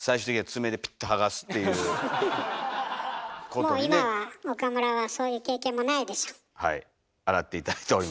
もう今は岡村はそういう経験もないでしょ。